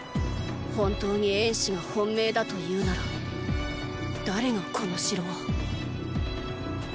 本当に衍氏が本命だと言うなら誰がこの城を？